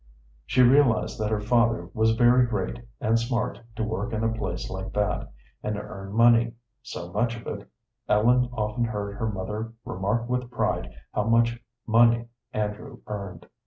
She realized that her father was very great and smart to work in a place like that, and earn money so much of it. Ellen often heard her mother remark with pride how much money Andrew earned.